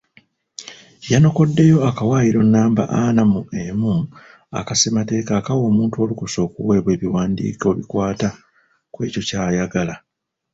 Yanokoddeyo akawaayiro nnamba ana mu emu aka Ssemateeka akawa omuntu olukusa okuweebwa ebiwandiiko ebikwata kw'ekyo ky'ayagala.